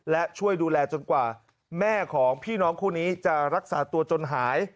และช่วยดูแลจนกว่าแม่ของพี่น้องคู่นี้จะรักษาตัวจนหาย